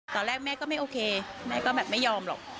ตอนแรกแม่ก็ไม่โอเคแม่ก็แบบไม่ยอมหรอก